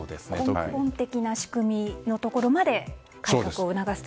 根本的な仕組みのところまで改革を促すと。